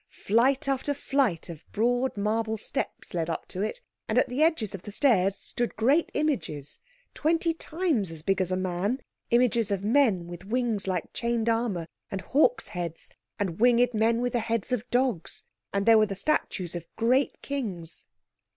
Flight after flight of broad marble steps led up to it, and at the edges of the stairs stood great images, twenty times as big as a man—images of men with wings like chain armour, and hawks' heads, and winged men with the heads of dogs. And there were the statues of great kings.